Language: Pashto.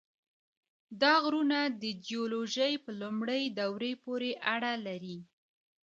دا غرونه د جیولوژۍ په لومړۍ دورې پورې اړه لري.